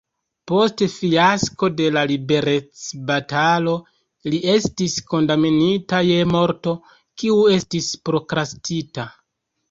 Post fiasko de la liberecbatalo li estis kondamnita je morto, kiu estis prokrastita.